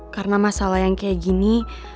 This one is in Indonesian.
karena masalah yang kayak gini